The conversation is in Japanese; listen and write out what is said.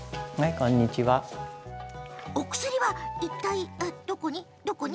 お薬は、いったいどこに？